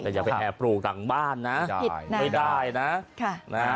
แต่อย่าไปแอร์ปลูกทางบ้านนะไม่ได้นะ